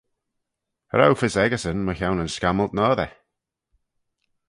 Cha row fys echeysyn mychione yn scammylt noadyr.